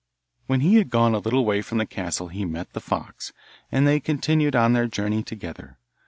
When he had gone a little way from the castle he met the fox, and they continued on their journey together.